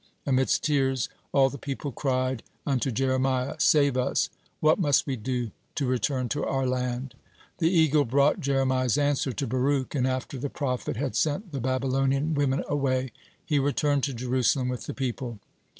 Amidst tears all the people cried unto Jeremiah: "Save us! What must we do to return to our land?" The eagle brought Jeremiah's answer to Baruch, and after the prophet had sent the Babylonian women away, he returned to Jerusalem with the people.